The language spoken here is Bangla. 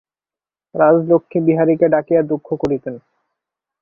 রাজলক্ষ্মী বিহারীকে ডাকিয়া দুঃখ করিতেন।